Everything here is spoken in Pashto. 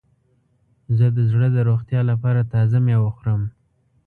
زه د زړه د روغتیا لپاره تازه میوه خورم.